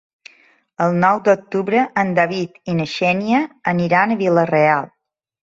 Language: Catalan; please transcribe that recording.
El nou d'octubre en David i na Xènia aniran a Vila-real.